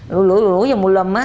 lũi lũi lũi vào mùi lùm á